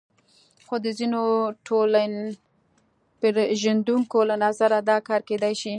خو د ځینو ټولنپېژندونکو له نظره دا کار کېدای شي.